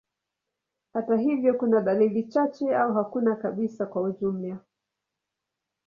Hata hivyo, kuna dalili chache au hakuna kabisa kwa ujumla.